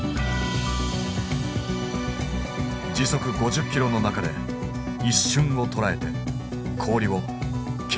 時速５０キロの中で一瞬をとらえて氷を蹴る。